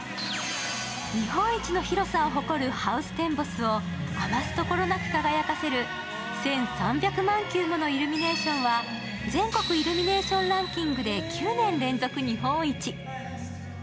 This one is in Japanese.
日本一の広さを誇るハウステンボスを余すところなく輝かせる１３００万球ものイルミネーションは、全国イルミネーションランキングで９年連続日本一。